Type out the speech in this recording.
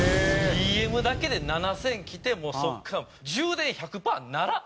ＤＭだけで７０００きてもうそこから充電１００パーにならないんですよ